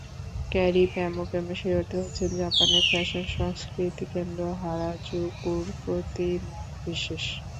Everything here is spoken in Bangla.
ক্যারি পাম্যুপাম্যু সেই অর্থে হচ্ছেন জাপানের ফ্যাশন সংস্কৃতিকেন্দ্র হারাজুকুর প্রতিমা বিশেষ।